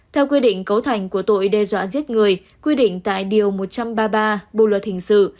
theo quy định cấu thành của tội đe dọa giết người quy định tại điều một trăm ba mươi ba bộ luật hình sự